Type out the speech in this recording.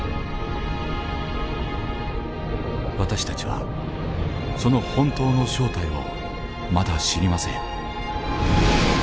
私たちはその本当の正体をまだ知りません。